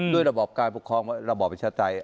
ด้วยระบอบการปกครองระบอบประชาไตย